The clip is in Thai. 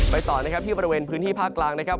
ต่อนะครับที่บริเวณพื้นที่ภาคกลางนะครับ